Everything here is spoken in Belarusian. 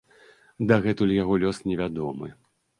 Дагэтуль яго лёс невядомы.